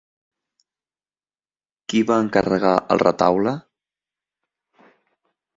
Qui va encarregar el retaule?